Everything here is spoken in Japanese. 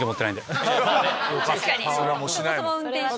確かに！